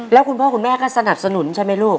แล้วคุณพ่อคุณแม่ก็สนับสนุนใช่ไหมลูก